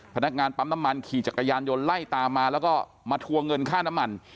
พนักงานปั๊มน้ำมันขี่จักรยานยนต์ไล่ตามมาแล้วก็มาทวงเงินค่าน้ำมัน